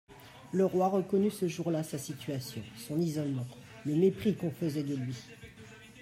Le roi reconnut ce jour-là sa situation, son isolement, le mépris qu'on faisait de lui.